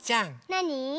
なに？